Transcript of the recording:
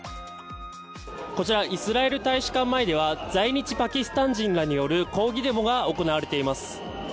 こちらイスラエル大使館前では在日パキスタン人による抗議デモが行われています。